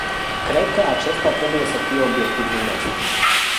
Cred că acesta trebuie să fie obiectivul nostru.